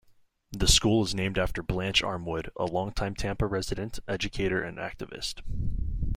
The school is named after Blanche Armwood, a longtime Tampa resident, educator and activist.